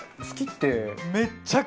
「好き」って。